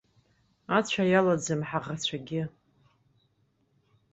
Ацәа иалаӡам ҳаӷацәагьы.